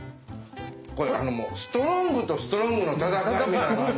これストロングとストロングの戦いみたいな感じ。